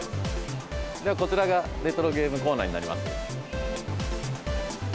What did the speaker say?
では、こちらがレトロゲームコーナーになります。